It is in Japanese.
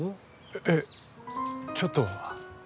えっちょっとは。